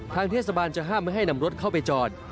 ทางเทศบาลจะห้ามไม่ให้นำรถเข้าไปจอด